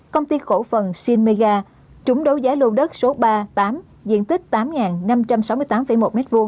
công ty cổ phần shinega trúng đấu giá lô đất số ba tám diện tích tám năm trăm sáu mươi tám một m hai